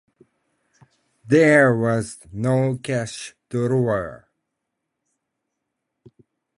There was no cash drawer.